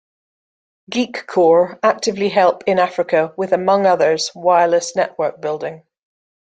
Geekcorps actively help in Africa with among others wireless network building.